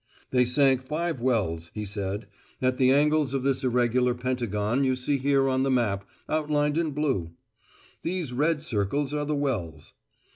They sank five wells, he said, "at the angles of this irregular pentagon you see here on the map, outlined in blue. These red circles are the wells."